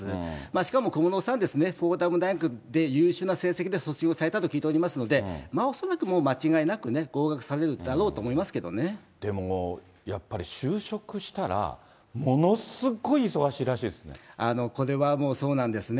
しかも小室さんはフォーダム大学で優秀な成績で卒業されたと聞いておりますので、恐らく間違いなくね、合格されるだろうと思いまでも、やっぱり就職したら、これはもう、そうなんですね。